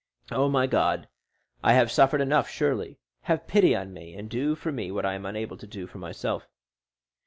Oh, my God, I have suffered enough surely! Have pity on me, and do for me what I am unable to do for myself."